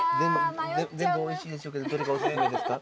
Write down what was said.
全部おいしいでしょうけどどれがお薦めですか？